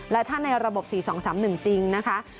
และถ้าในระบบ๔๒๓๑จริงนะคะ